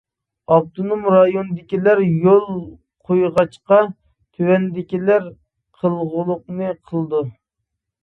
ئاپتونوم رايونىدىكىلەر يول قويغاچقا تۆۋەندىكىلەر قىلغۇلۇقنى قىلىدۇ.